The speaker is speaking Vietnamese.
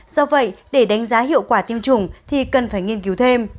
do vậy để đánh giá hiệu quả tiêm chủng thì cần phải nghiên cứu thêm